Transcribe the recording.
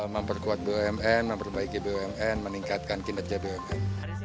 memperkuat bumn memperbaiki bumn meningkatkan kinerja bumn